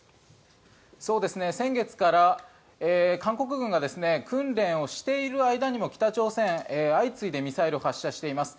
先月から韓国軍が訓練をしている間にも北朝鮮、相次いでミサイルを発射しております。